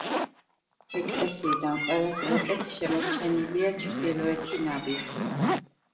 ეკლესიიდან ყველაზე უკეთ შემორჩენილია ჩრდილოეთი ნავი.